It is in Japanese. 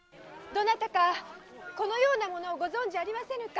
どなたかこのような者をご存じありませぬか？